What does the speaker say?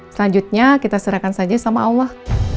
selanjutnya kita serahkan saja sama allah